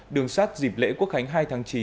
đường sát dịp lễ quốc khánh hai tháng chín